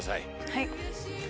はい。